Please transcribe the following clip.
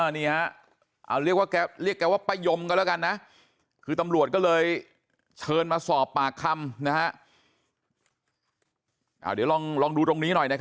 นี่ฮะได้บริการเข้ามาเรียกเขาว่าประยมกันแล้วกันนะ